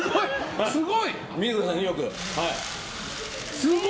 よく見てください。